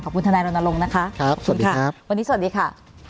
ขอบคุณธนายรณลงนะคะครับสวัสดีครับวันนี้สวัสดีค่ะ